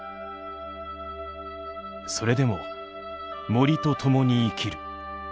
それでも森と共に生きる。